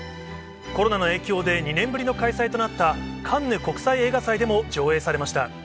コロナの影響で、２年ぶりの開催となったカンヌ国際映画祭でも上映されました。